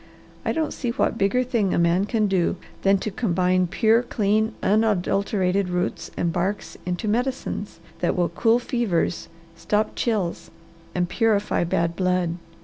I don't see what bigger thing a man can do than to combine pure, clean, unadulterated roots and barks into medicines that will cool fevers, stop chills, and purify bad blood.